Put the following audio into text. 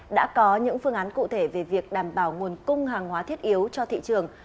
đã có những phương án cụ thể về việc đảm bảo nguồn cung hàng hóa thiết yếu cho thị trường